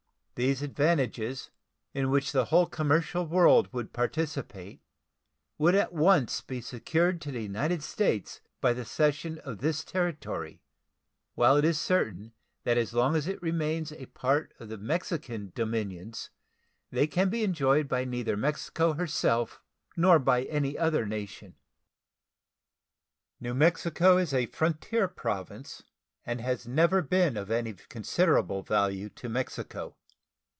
These advantages, in which the whole commercial world would participate, would at once be secured to the United States by the cession of this territory; while it is certain that as long as it remains a part of the Mexican dominions they can be enjoyed neither by Mexico herself nor by any other nation. New Mexico is a frontier Province, and has never been of any considerable value to Mexico.